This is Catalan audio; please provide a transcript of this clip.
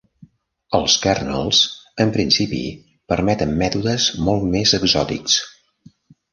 Els kernels, en principi, permeten mètodes molt més exòtics.